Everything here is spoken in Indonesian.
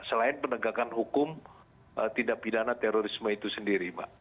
selain penegakan hukum tidak pidana terorisme itu sendiri mbak